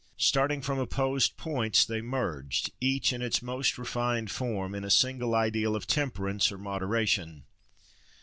Starting from opposed points, they merged, each in its most refined form, in a single ideal of temperance or moderation.